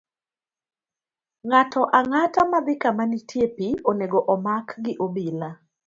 Ng'ato ang'ata madhi kama nitie pi, onego omak gi obila.